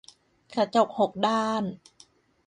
กระจกหกด้าน